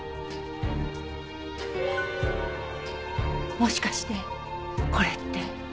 もしかしてこれって。